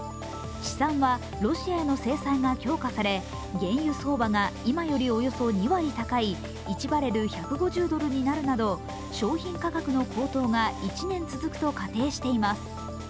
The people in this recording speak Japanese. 試算はロシアへの制裁が強化され、原油相場が今よりおよそ２割高い１バレル＝１５０ドルになるなど商品価格の高騰が１年続くと仮定しています。